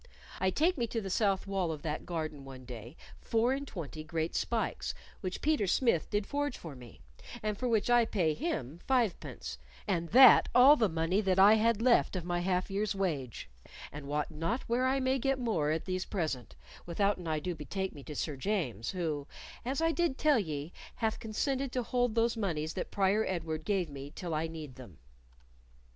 I take me to the south wall of that garden one day four and twenty great spikes, which Peter Smith did forge for me and for which I pay him fivepence, and that all the money that I had left of my half year's wage, and wot not where I may get more at these present, withouten I do betake me to Sir James, who, as I did tell ye, hath consented to hold those moneys that Prior Edward gave me till I need them.